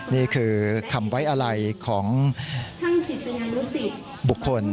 นี่คือคำไว้อะไรของบุคคล